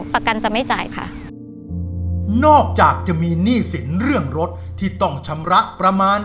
ประกันจะไม่จ่ายค่ะนอกจากจะมีหนี้สินเรื่องรถที่ต้องชำระประมาณ